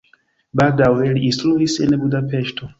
Baldaŭe li instruis en Budapeŝto.